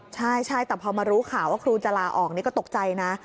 ใช่แต่พอมารู้ข่าวว่าครูจะลาออกนี่ก็ตกใจนะ